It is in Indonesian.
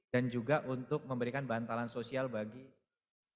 dan juga untuk memberikan bantalan sosial bagi segmen